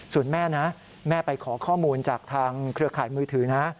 ส่วนแม่นะแม่ไปขอข้อมูลจากทางเครือข่ายมือถือนะ